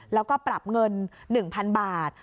แล้วก็ปรับเงิน๑๐๐๐บาท